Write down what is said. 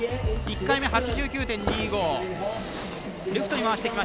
１回目、８９．７５。